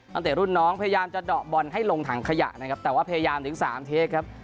ตั้งแต่รุ่นน้องพยายามจะเดาะบอลให้ลงถังขยะนะครับแต่ว่าพยายามถึงสามเทคครับ